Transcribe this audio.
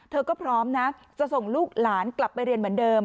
เธอก็พร้อมนะจะส่งลูกหลานกลับไปเรียนเหมือนเดิม